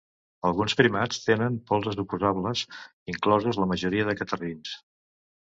Alguns primats tenen polzes oposables, inclosos la majoria de catarrins.